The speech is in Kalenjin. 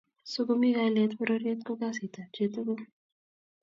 so komi kalyet pororiet ko kasit ab chi tugul